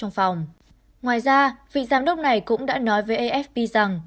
ngoài ra vị giám đốc này cũng đã nói với afp rằng